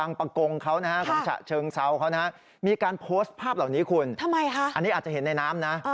อันนี้อาจจะเห็นในน้ำนะ